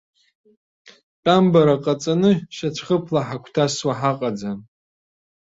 Тәамбара ҟаҵаны шьацәхыԥла ҳагәҭасуа ҳаҟаӡам.